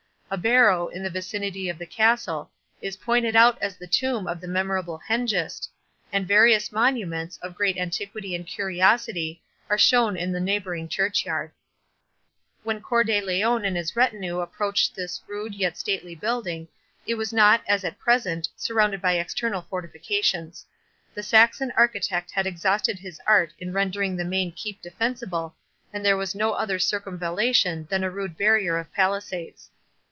A barrow, in the vicinity of the castle, is pointed out as the tomb of the memorable Hengist; and various monuments, of great antiquity and curiosity, are shown in the neighbouring churchyard. 57 When Cœur de Lion and his retinue approached this rude yet stately building, it was not, as at present, surrounded by external fortifications. The Saxon architect had exhausted his art in rendering the main keep defensible, and there was no other circumvallation than a rude barrier of palisades.